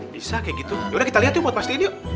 bisa kayak gitu yaudah kita lihat yuk buat pastiin yuk